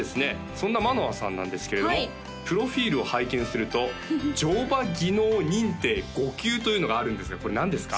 そんな舞乃空さんなんですけれどもプロフィールを拝見すると乗馬技能認定５級というのがあるんですけどこれ何ですか？